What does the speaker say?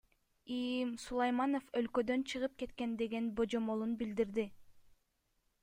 ИИМ Сулайманов өлкөдөн чыгып кеткен деген божомолун билдирди.